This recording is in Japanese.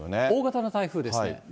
大型の台風です。